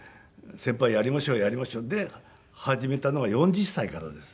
「先輩やりましょうやりましょう」で始めたのが４０歳からです。